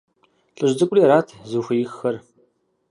ЛӀыжь цӀыкӀури арат зыхуеиххэр.